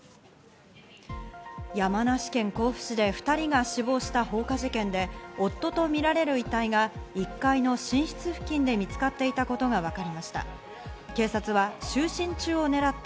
山梨県甲府市で２人が死亡した放火事件で、夫とみられる遺体が１階の寝室付近で見つかっていたことがわかりました。